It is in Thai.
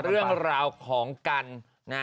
เรื่องราวของกันนะ